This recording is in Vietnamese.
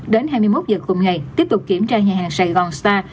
đến hai mươi một giờ cùng ngày tiếp tục kiểm tra nhà hàng sài gòn spa